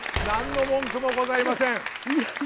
何の文句もございません。